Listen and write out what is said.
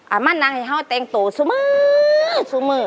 อ่ะมั่นน้ำไอ้เขาแต่งตูสูงมือ